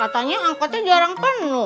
katanya angkatnya jarang penuh